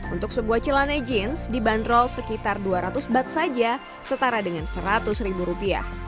untuk sebuah celana jeans dibanderol sekitar dua ratus bat saja setara dengan seratus ribu rupiah